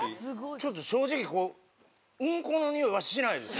ちょっと正直こううんこのにおいはしないですよ。